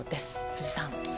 辻さん。